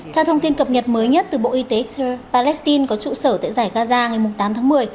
theo thông tin cập nhật mới nhất từ bộ y tế palestine có trụ sở tại giải gaza ngày tám tháng một mươi